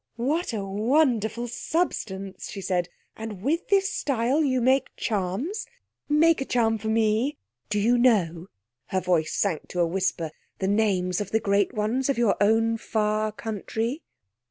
"What a wonderful substance!" she said. "And with this style you make charms? Make a charm for me! Do you know," her voice sank to a whisper, "the names of the great ones of your own far country?"